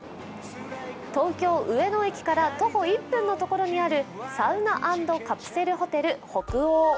東京・上野駅から徒歩１分のところにあるサウナ＆カプセルホテル北欧。